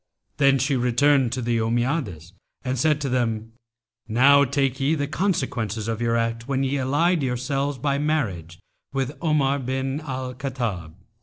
Then she returned to the Ommiades and said to them, 'Now take ye the consequences of your act when ye allied yourselves by marriage with Omar bin al Khattab.'